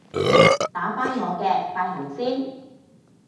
打返我嘅快含先